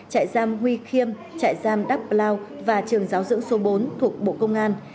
trại giam huy khiêm trại giam đắp lao và trường giáo dưỡng số bốn thuộc bộ công an